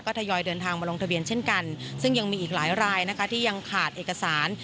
ทยอยเดินทางมาลงทะเบียนเช่นกันซึ่งยังมีอีกหลายรายนะคะที่ยังขาดเอกสาร